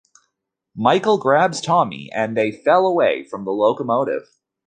Michael grabs Tommy and they fall away from the locomotive.